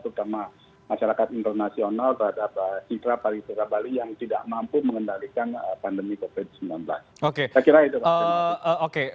terutama masyarakat internasional sekitar bali yang tidak mampu mengendalikan pandemi covid sembilan belas